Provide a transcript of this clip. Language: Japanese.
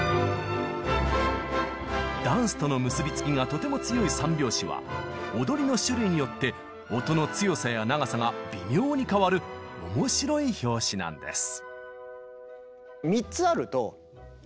ダンスとの結び付きがとても強い３拍子は踊りの種類によって音の強さや長さが微妙に変わる面白い拍子なんです。